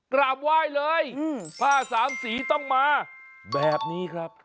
กราบไหว้เลยผ้าสามสีต้องมาแบบนี้ครับ